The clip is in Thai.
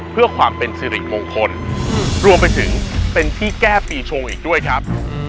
เพื่อความเป็นสิริมงคลรวมไปถึงเป็นที่แก้ปีชงอีกด้วยครับ